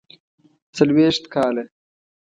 څلوېښت کاله.